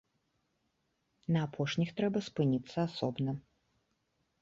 На апошніх трэба спыніцца асобна.